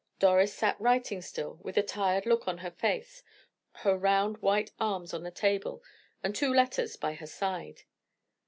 Doris sat writing still, with a tired look on her face, her round, white arms on the table, and two letters by her side.